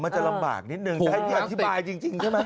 จะลำบากนิดนึงจะให้พี่อธิบายจริงใช่ไหม